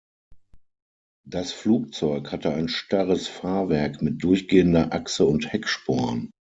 Das Flugzeug hatte ein starres Fahrwerk mit durchgehender Achse und Hecksporn.